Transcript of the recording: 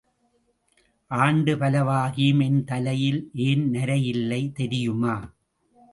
ஆண்டு பலவாகியும் என் தலையில் ஏன் நரையில்லை தெரியுமா?